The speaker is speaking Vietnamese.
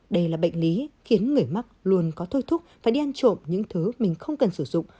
đây là bệnh lý khiến người mắc luôn có thôi thúc phải đi ăn trộm những thứ mình không cần sử dụng